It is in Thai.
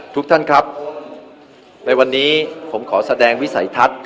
ทุกท่านครับในวันนี้ผมขอแสดงวิสัยทัศน์